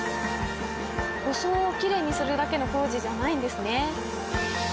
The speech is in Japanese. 装をきれいにするだけの工事じゃないんですね。